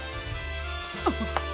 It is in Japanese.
あっ！